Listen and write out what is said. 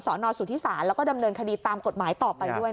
นสุธิศาลแล้วก็ดำเนินคดีตามกฎหมายต่อไปด้วย